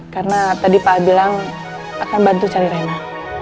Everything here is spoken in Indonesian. karena tadi pak al bilang akan bantu cari rena